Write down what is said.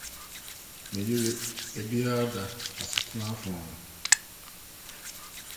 Me yere da biara da asetra afono no.